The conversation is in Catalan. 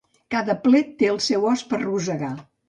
Cada plet té el seu os per rosegar.